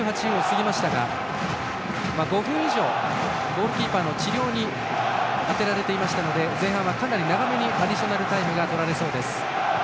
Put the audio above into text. ５分以上、ゴールキーパーの治療に充てられていたので前半は、かなり長めにアディショナルタイムがとられそうです。